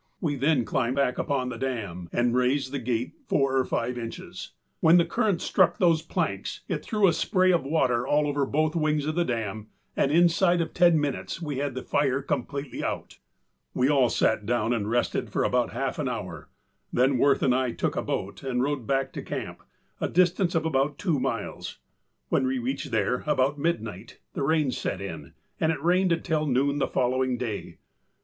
We then climbed back upon the dam and raised the gate four or five inches. When the current struck those planks it threw a spray of water all over both wings of the dam and inside of ten minutes we had the fire completely out. [Illustration: MAP PREPARED BY MR. BRACKLIN TO ILLUSTRATE HIS NARRATIVE] We all sat down and rested for about half an hour; then Wirth and I took a boat and rowed back to camp, a distance of about two miles. When we reached there, about midnight, the rain set in and it rained until noon the following day.